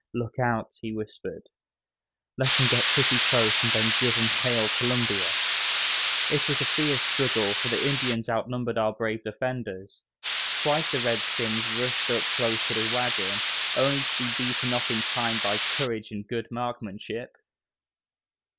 "Look out," he whispered, "let 'em get pretty close and then give 'em hail Columbia." It was a fierce struggle, for the Indians outnumbered our brave defenders. Twice the redskins rushed up close to the wagon, only to be beaten off in time by courage and good marksmanship.